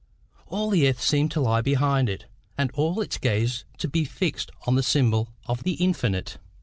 All the earth seemed to lie behind it, and all its gaze to be fixed on the symbol of the infinite.